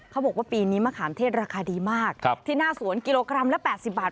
เขาบอกว่าปีนี้มะขามเทศราคาดีมากที่หน้าสวนกิโลกรัมละ๘๐บาท